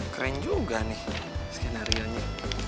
keren juga nih skenarionya